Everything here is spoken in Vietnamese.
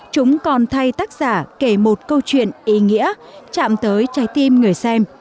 chúng còn thay tác giả kể một câu chuyện ý nghĩa chạm tới trái tim người xem